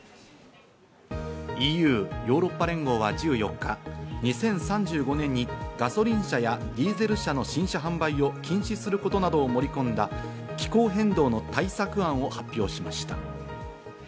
ＥＵ＝ヨーロッパ連合は１４日、２０３５年にガソリン車やディーゼル車の新車販売を禁止することなどを盛り込んだ気候変動の対策案を発表しました。